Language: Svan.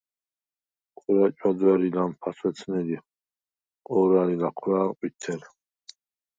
ქორა̈ ჭვა̈დვა̈რ ი ლამფა თვეთნე ლიხ, ყო̄რა̈ლ ი ლაჴვრა̄̈̈ლ – ყვითელ.